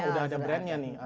udah ada brandnya nih